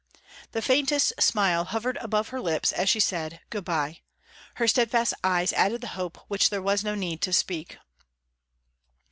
The faintest smile hovered about her lips as she said, "Good bye;" her steadfast eyes added the hope which there was no need to speak.